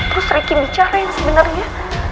terus ranking bicara yang sebenarnya